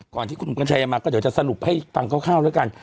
ก่อนที่คุณวังชัยมาก็เดี๋ยวจะสรุปให้ฟังคร่าวแล้วกัน